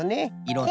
いろ